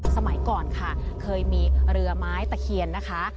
สมัยก่อนค่ะเคยมีเรือไม้ตะเคียนนะคะ